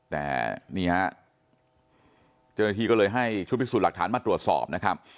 แต่นี่ฮะเจ้าหน้าที่ก็เลยให้ชุดพิสูจน์หลักฐานมาตรวจสอบนะครับ